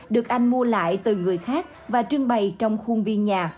được anh mua lại từ người khác và trưng bày trong khuôn viên nhà